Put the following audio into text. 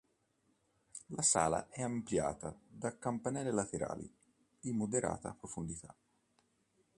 La sala è ampliata da cappelle laterali di moderata profondità.